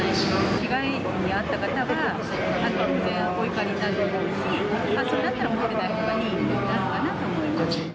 被害に遭った方は、当然お怒りになると思うし、それだったら持ってないほうがいいなってなるのかなって。